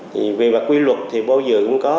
thì vì quy luật thì bao giờ cũng có